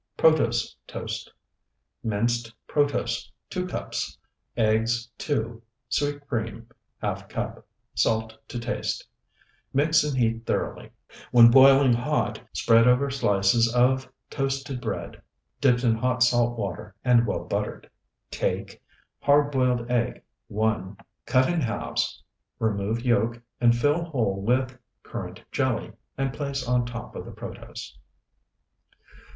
PROTOSE TOAST Minced protose, 2 cups. Eggs, 2. Sweet cream, ½ cup. Salt to taste. Mix and heat thoroughly; when boiling hot spread over slices of Toasted bread. Dipped in hot salt water, and well buttered. Take Hard boiled egg, 1, Cut in halves, remove yolk, and fill hole with Currant jelly, And place on top of the protose.